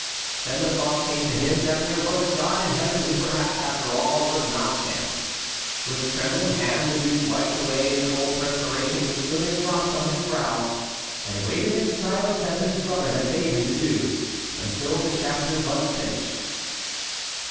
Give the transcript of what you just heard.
Then the thought came to him that there was a God in heaven who perhaps after all was not chance. With trembling hand the duke wiped away the cold perspiration which stood in drops on his brow, and waited in silence, as his brother had bade him do, until the chapter was finished.